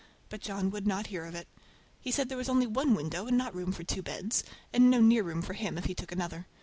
but John would not hear of it. He said there was only one window and not room for two beds, and no near room for him if he took another.